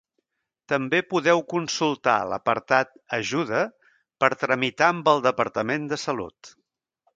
També podeu consultar l'apartat Ajuda per tramitar amb el Departament de Salut.